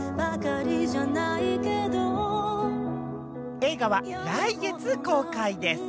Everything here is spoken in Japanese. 映画は来月公開です。